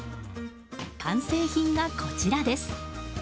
完成品が、こちらです。